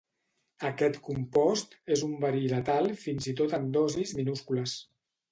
Aquest compost és un verí letal fins i tot en dosis minúscules.